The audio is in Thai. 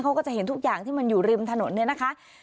เขาก็จะเห็นทุกอย่างที่มันอยู่ริมถนนเนี่ยนะคะ